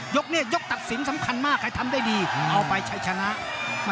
ยกนี้ยกตัดสินสำคัญมากใครทำได้ดีเอาไปใช้ชนะ